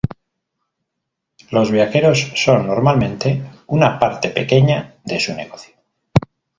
Los viajeros son normalmente una parte pequeña de su negocio.